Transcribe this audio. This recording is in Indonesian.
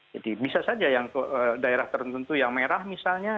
jadi bisa saja yang daerah tertentu yang merah misalnya